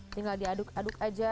tinggal diaduk aduk aja